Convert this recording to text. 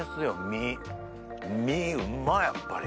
身身うまやっぱり。